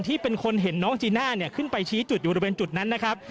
ที่เป็นคนเห็นน้องจีน่าเนี่ยขึ้นไปชี้จุดอยู่บริเวณจุดนั้นนะครับ